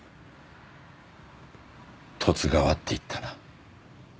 十津川っていったな。